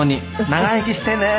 長生きしてねー！